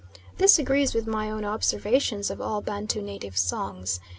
This agrees with my own observations of all Bantu native songs.